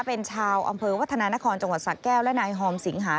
เป็นชาวอำเภอวัฒนานครจังหวัดสะแก้วและนายฮอมสิงหา